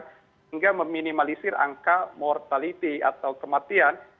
sehingga meminimalisir angka mortality atau kematian